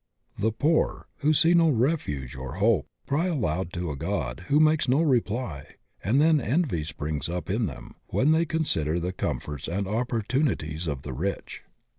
The poor, who see no refuge or hope, cry aloud to a God who makes no reply, and then envy springs up in them when they consider the comforts and oppor tunities of the rich.